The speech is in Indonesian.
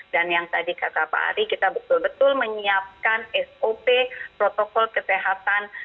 dan yang tadi kata pak ari kita betul betul menyiapkan sop protokol kesehatan